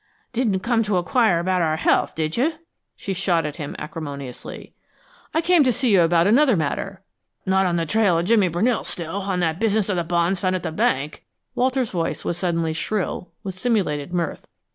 "Didn't come to inquire about our health, did you?" she shot at him, acrimoniously. "I came to see you about another matter " "Not on the trail of old Jimmy Brunell still, on that business of the bonds found at the bank?" Walter's voice was suddenly shrill with simulated mirth.